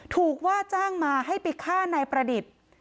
ถูกว่าจ้างมาให้ไปฆ่านายประดิษฐ์